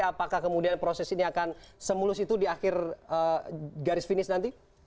apakah kemudian proses ini akan semulus itu di akhir garis finish nanti